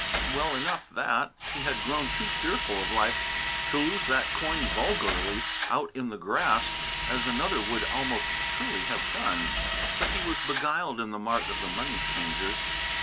Well enough, that! He had grown too fearful of life to lose that coin vulgarly out in the grass, as another would almost surely have done. But he was beguiled in the mart of the money changers.